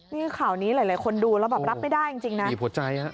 นี่ข่าวนี้หลายคนดูแล้วแบบรับไม่ได้จริงนะบีบหัวใจฮะ